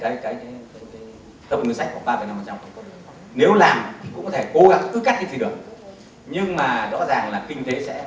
nhưng mà rõ ràng là kinh tế sẽ có gặp khó khăn có thể cái bước tăng trưởng sẽ gặp rất nhiều khó khăn